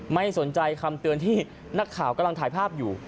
ไม่สนใจคำเตือนที่นักข่าวกำลังถ่ายภาพอยู่